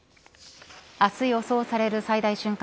明日予想される最大瞬間